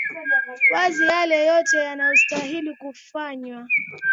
wazi yale yote yanayostahili kufanywa